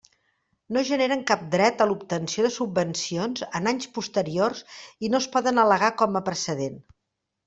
No generen cap dret a l'obtenció de subvencions en anys posteriors i no es poden al·legar com a precedent.